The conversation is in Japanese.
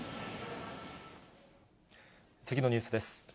次のニュースです。